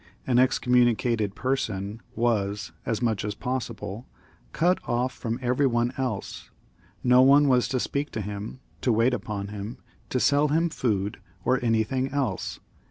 An excommunicated person was, as much as possible, cut off from every one else ; no one was to speak to him, to wait upon him, to sell him food or anything else.